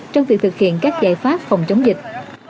trong việc thực hiện các giải pháp phòng chống dịch